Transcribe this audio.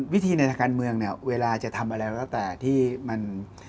วิธีในทางการเมืองเนี่ยเวลาจะทำอะไรก็แล้วแต่ที่มัน